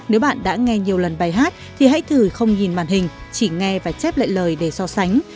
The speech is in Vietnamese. nếu bạn đã nghe nhiều lần bài hát thì hãy thử không nhìn màn hình chỉ nghe và chép lại lời để so sánh